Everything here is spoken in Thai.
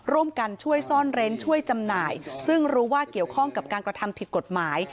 ร่วมกันช่วยซ่อนเร้นช่วยจำหน่ายซึ่งรู้ว่าเกี่ยวข้องกับการกระทำผิดกฎหมาย